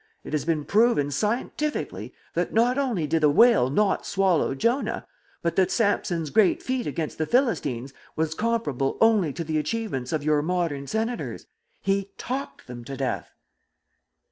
It has been proven scientifically that not only did the whale not swallow Jonah, but that Samson's great feat against the Philistines was comparable only to the achievements of your modern senators. He talked them to death."